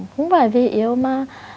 không phải vì yêu mà